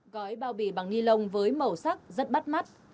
gói bao bì bằng ni lông với màu sắc rất bắt mắt